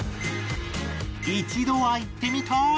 一度は行ってみたい